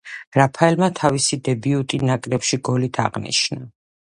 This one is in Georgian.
რაფაელმა თავისი დებიუტი ნაკრებში გოლით აღნიშნა.